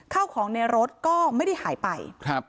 ข้าวของในรถก็ไม่ได้หายไป